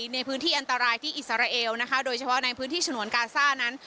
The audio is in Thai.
ในพื้นที่อันตรายที่อิสราเอลนะคะโดยเฉพาะในพื้นที่ฉนวนกาซ่านั้น